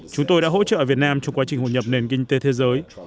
chúng tôi đã hỗ trợ việt nam cho quá trình hội nhập nền kinh tế thế giới